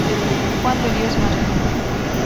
Juan de Dios Martínez.